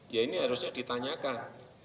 ya ini harusnya ditanyakan